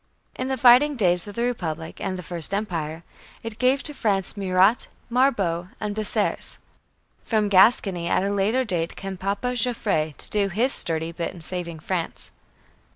In the fighting days of the Republic and the First Empire, it gave to France Murat, Marbot, and Bessières. From Gascony at a later day came "Papa" Joffre to do his sturdy bit in saving France.